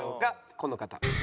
この方。